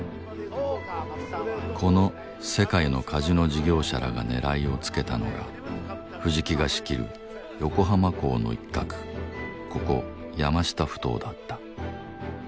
この世界のカジノ事業者らが狙いをつけたのが藤木が仕切る横浜港の一画ここ山下ふ頭だった。